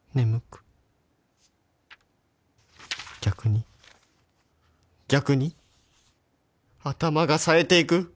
逆に逆に頭がさえていく